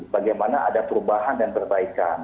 bagaimana ada perubahan dan perbaikan